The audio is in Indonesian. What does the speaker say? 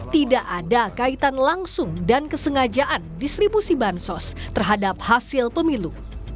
tidak ada kaitan langsung dan kesengajaan distribusi bansos terhadap hasil pemilu